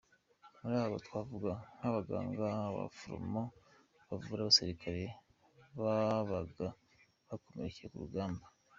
Muri bo twavuga nk’abaganga n’abaforomo bavuraga abasirikare babaga bakomerekeye ku rugamba.